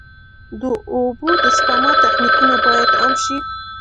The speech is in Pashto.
د اوبو د سپما تخنیکونه باید عام شي.